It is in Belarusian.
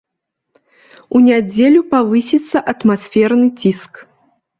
У нядзелю павысіцца атмасферны ціск.